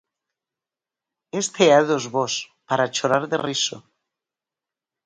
Este é dos bos, para chorar de riso.